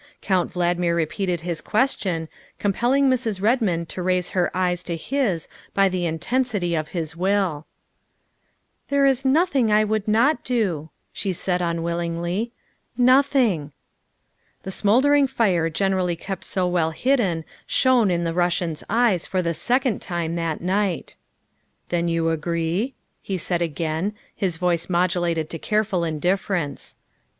Count Valdmir re peated his question, compelling Mrs. Redmond to raise her eyes to his by the intensity of his will. " There is nothing I would not do," she said unwill ingly, " nothing." The smouldering fire generally kept so well hidden shone in the Russian's eyes for the second time that night. " Then you agree?" he said again, his voice modu lated to careful indifference.